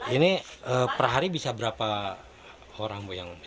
ini per hari bisa berapa orang yang bisa